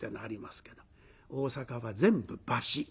大阪は全部橋。